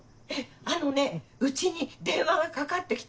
あのね家に電話がかかって来たの。